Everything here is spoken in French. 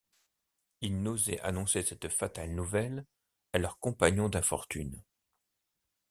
Ils n’osaient annoncer cette fatale nouvelle à leurs compagnons d’infortune!